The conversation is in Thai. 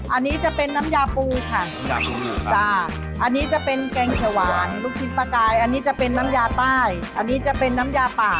อันนี้จะเป็นน้ำยาปูค่ะจ้ะอันนี้จะเป็นแกงเขียวหวานลูกชิ้นปลากายอันนี้จะเป็นน้ำยาใต้อันนี้จะเป็นน้ำยาป่า